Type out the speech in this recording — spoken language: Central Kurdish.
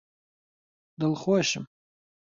دڵخۆشم!